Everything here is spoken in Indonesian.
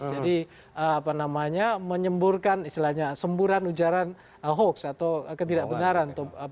jadi apa namanya menyemburkan istilahnya semburan ujaran hoaks atau ketidakbenaran